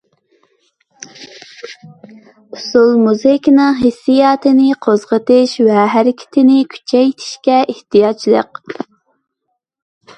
ئۇسسۇل مۇزىكىنىڭ ھېسسىياتنى قوزغىتىشى ۋە ھەرىكەتنى كۈچەيتىشىگە ئېھتىياجلىق.